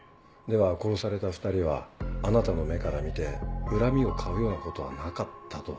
では殺された２人はあなたの目から見て恨みを買うようなことはなかったと。